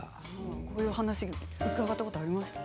こういうお話を伺ったことありましたか。